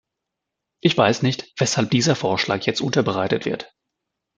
Ich weiß nicht, weshalb dieser Vorschlag jetzt unterbreitet wird.